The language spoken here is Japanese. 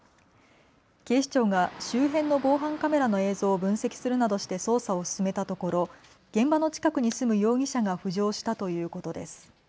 警視庁が周辺の防犯カメラの映像を分析するなどして捜査を進めたところ現場の近くに住む容疑者が浮上したということです。